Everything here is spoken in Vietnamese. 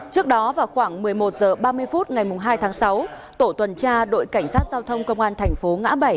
trước đó vào khoảng một mươi một h ba mươi phút ngày hai tháng sáu tổ tuần tra đội cảnh sát giao thông công an thành phố ngã bảy